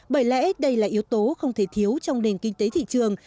bởi lẽ đây là yếu tố không thể thiếu trong nền kinh tế thị trường